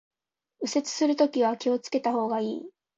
右折するときは気を付けた方がいい